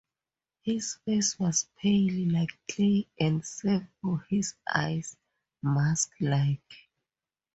His face was pale like clay and save for his eyes, mask-like.